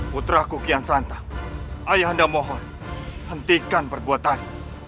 putra kukian santam ayah anda mohon hentikan perbuatan